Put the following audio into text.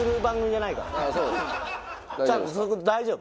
ちゃんとそこ大丈夫？